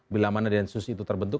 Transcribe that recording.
bila mana densus itu terbentuk